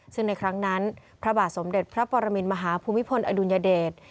ซึ่งในครั้งนั้นพระบาทสมเด็จพระปรมินมหาภูมิพลอดุลยเดช